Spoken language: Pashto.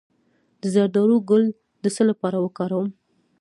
د زردالو ګل د څه لپاره وکاروم؟